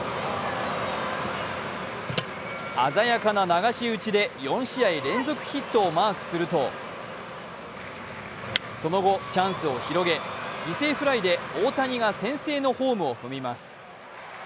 鮮やかな流し打ちで４試合連続ヒットをマークするとその後、チャンスを広げ犠牲フライで大谷が先制のホームを踏みます。